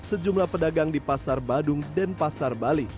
sejumlah pedagang di pasar badung dan pasar bali